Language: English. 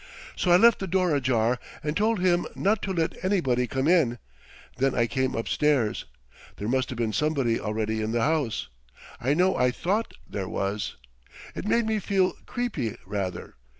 So I left the door ajar, and told him not to let anybody come in. Then I came up stairs. There must've been somebody already in the house; I know I thought there was. It made me feel creepy, rather.